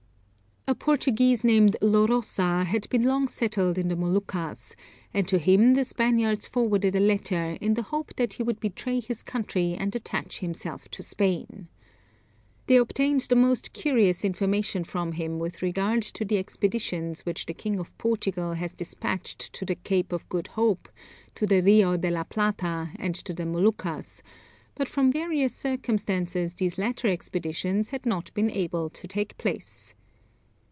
A Portuguese named Lorosa had been long settled in the Moluccas, and to him the Spaniards forwarded a letter, in the hope that he would betray his country and attach himself to Spain. They obtained the most curious information from him with regard to the expeditions which the king of Portugal had despatched to the Cape of Good Hope, to the Rio de la Plata and to the Moluccas; but from various circumstances these latter expeditions had not been able to take place.